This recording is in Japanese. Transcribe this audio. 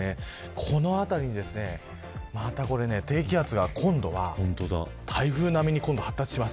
このあたりにまた、低気圧が今度は台風並みに発達します。